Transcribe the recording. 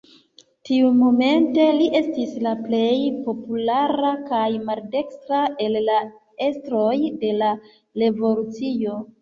Tiumomente li estis la plej populara kaj maldekstra el la estroj de la revolucio.